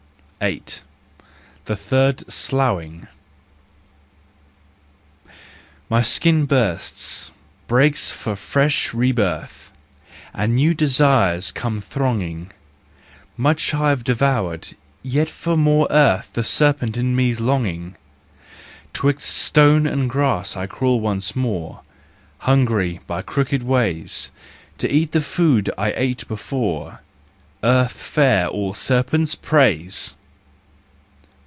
JEST, RUSE AND REVENGE 8 . The Third Sloughing . My skin bursts, breaks for fresh rebirth, And new desires come thronging: Much I've devoured, yet for more earth The serpent in me's longing. 'Twixt stone and grass I crawl once more, Hungry, by crooked ways, To eat the food I ate before, Earth fare all serpents praise!